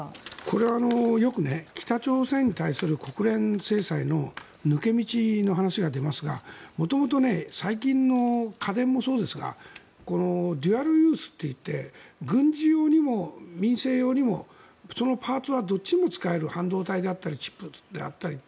これはよく北朝鮮に対する国連制裁の抜け道の話が出ますが元々、最近の家電もそうですがデュアルユースといって軍事用にも民生用にもそのパーツはどっちにも使える半導体であったりチップであったり。